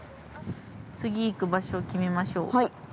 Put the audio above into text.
次行く場所を決めましょう。